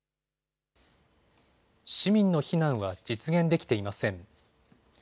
市民の避難は実現できていません。